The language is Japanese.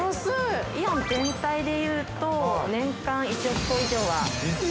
◆イオン全体で言うと、年間１億個以上は。